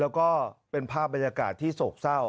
แล้วก็เป็นภาพบรรยากาศที่โศกเศร้า